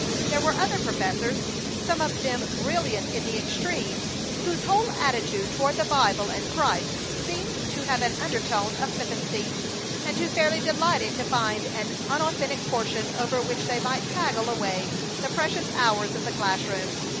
There were other professors, some of them brilliant in the extreme, whose whole attitude toward the Bible and Christ seemed to have an undertone of flippancy, and who fairly delighted to find an unauthentic portion over which they might haggle away the precious hours of the class room.